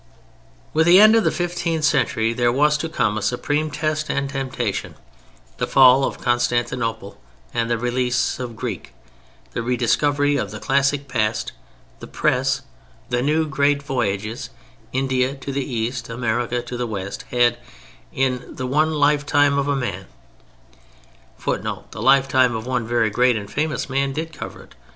With the end of the fifteenth century there was to come a supreme test and temptation. The fall of Constantinople and the release of Greek: the rediscovery of the Classic past: the Press: the new great voyages—India to the East, America to the West—had (in the one lifetime of a man [Footnote: The lifetime of one very great and famous man did cover it.